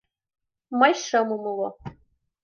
Мый шым умыло.